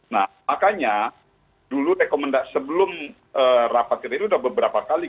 nah makanya dulu rekomendasi sebelum rapat kita itu sudah beberapa tahun